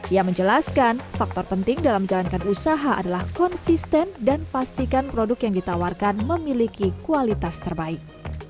ia menjelaskan faktor penting dalam menjalankan usaha adalah konsisten dan pastikan produk yang ditawarkan memiliki kualitas terbaik